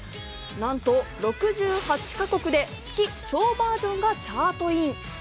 なんと６８か国で『すきっ超ｖｅｒ』がチャートイン。